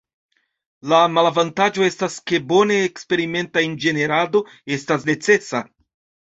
La malavantaĝo estas ke bone eksperimenta inĝenierado estas necesa.